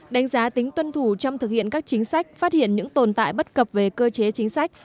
đánh giá tính tuân thủ trong thực hiện các chính sách phát hiện những tồn tại bất cập về cơ chế chính sách